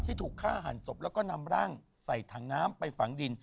ถูกฆ่าหันศพแล้วก็นำร่างใส่ถังน้ำไปฝังดิน